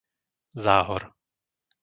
Záhor